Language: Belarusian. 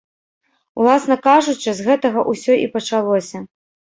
Уласна кажучы, з гэтага ўсё і пачалося.